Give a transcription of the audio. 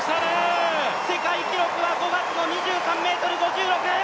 世界記録は５月の２３ｍ５６！